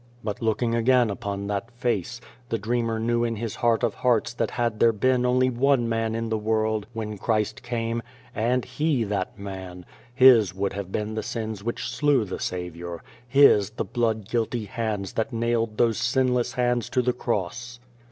But looking again upon that face, the dreamer knew in his heart of hearts that had there been only one man in the world when Christ came and he that man his would have been the sins which slew the Saviour, 144 Beyond the Door his the blood guilty hands that nailed those sinless hands to the cross.